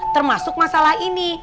termasuk masalah ini